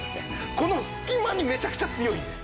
この隙間にめちゃくちゃ強いんです。